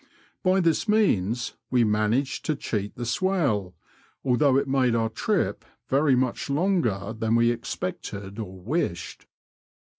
By this means we man aged to cheat the swell, although it made our trip very much longer than we expected or wished.